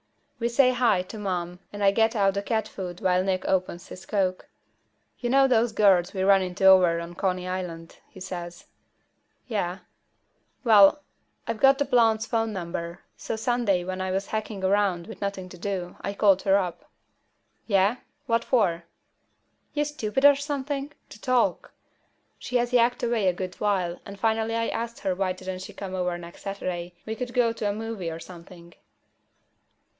We say "Hi" to Mom, and I get out the cat food while Nick opens his coke. "You know those girls we ran into over on Coney Island?" he says. "Yeah." "Well, I got the blonde's phone number, so Sunday when I was hacking around with nothing to do, I called her up." "Yeah? What for?" "You stupid or something? To talk. So she yacked away a good while, and finally I asked her why didn't she come over next Saturday, we could go to a movie or something."